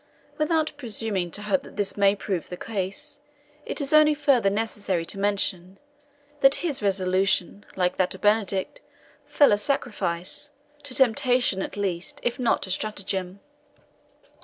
Without presuming to hope that this may prove the case, it is only further necessary to mention, that his resolution, like that of Benedict, fell a sacrifice, to temptation at least, if not to stratagem.